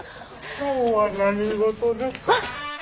今日は何事ですか？